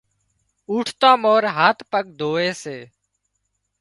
اُوٺتان مورِ هاٿ پڳ ڌووي سي۔